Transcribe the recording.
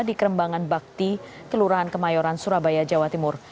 di kerembangan bakti kelurahan kemayoran surabaya jawa timur